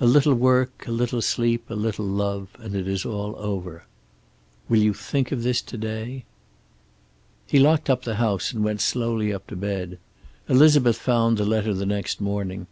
A little work, a little sleep, a little love, and it is all over. "Will you think of this to day?" He locked up the house, and went slowly up to bed. Elizabeth found the letter the next morning.